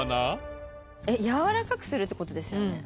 やわらかくするって事ですよね？